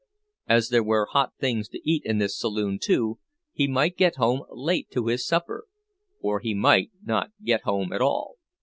As there were hot things to eat in this saloon too, he might get home late to his supper, or he might not get home at all.